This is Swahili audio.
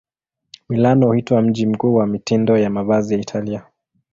Milano huitwa mji mkuu wa mitindo ya mavazi ya Italia.